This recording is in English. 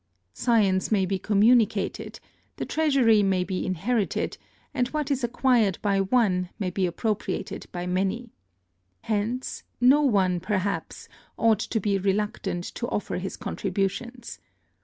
Science may be communicated, the treasure may be inherited, and what is acquired by one may be appropriated by many. Hence no one perhaps ought to be reluctant to offer his contributions.